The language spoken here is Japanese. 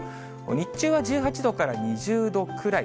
日中は１８度から２０度くらい。